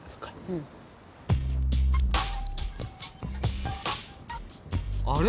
うん。あれ？